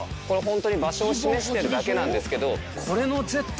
これホントに場所を示してるだけなんですけど。